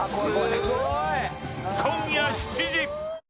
今夜７時。